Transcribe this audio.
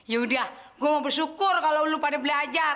yaudah gue mau bersyukur kalau lu pada belajar